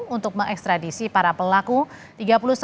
untuk mengekstradisi para pelaku tiga puluh satu jenis tindak pidana